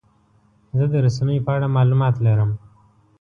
زه د رسنیو په اړه معلومات لرم.